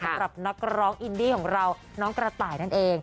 สำหรับนักร้องอินดี้ของเราน้องกระต่ายนั่นเอง